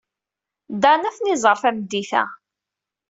Dan ad ten-iẓer tameddit-a.